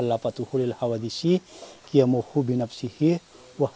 dari kikacang bisa membuat besi yang juga menentukan musuh